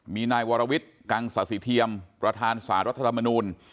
มีนายวรวิทย์กังศาสิเทียมประธานสารรัฐธรรมนูล